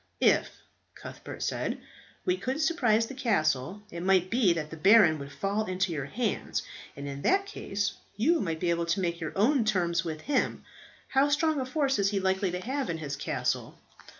"If," Cuthbert said, "we could surprise the castle, it might well be that the baron would fall into your hands, and in that case you might be able to make your own terms with him. How strong a force is he likely to have in his castle?"